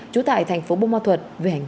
chủ tại thành phố bô mò thịnh